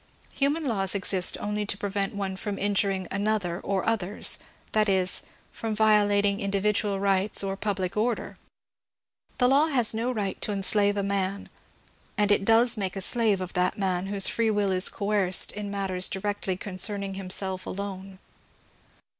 Human laws exist only to prevent one from injuring another, or others ; that is, from violating individual rights or public order. The law has no right to enslave a man ; and it does make a slave of that man whose free will is coerced in matters directly concerning himself alone.